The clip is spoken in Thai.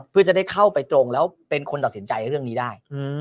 เพื่อจะได้เข้าไปตรงแล้วเป็นคนตัดสินใจเรื่องนี้ได้